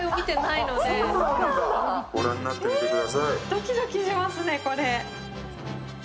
ドキドキしますね、これ。